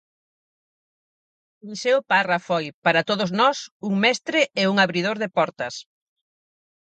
Eliseo Parra foi, para todos nós, un mestre e un abridor de portas.